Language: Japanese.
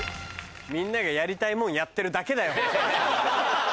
みんながやりたいもんやってるだけだよ。